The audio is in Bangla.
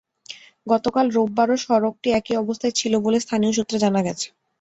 গতকাল রোববারও সড়কটি একই অবস্থায় ছিল বলে স্থানীয় সূত্রে জানা গেছে।